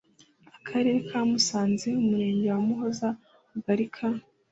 akarere ka musanze umurenge wa muhoza akagari ka